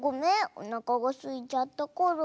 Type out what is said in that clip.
おなかがすいちゃったから。